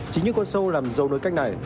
chính những con sâu làm dầu nối cách này